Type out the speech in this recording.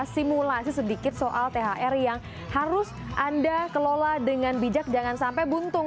simulasi sedikit soal thr yang harus anda kelola dengan bijak jangan sampai buntung